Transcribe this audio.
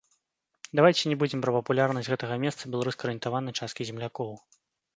Давайце не будзем пра папулярнасць гэтага месца ў беларуска-арыентаванай часткі землякоў.